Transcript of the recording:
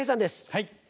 はい。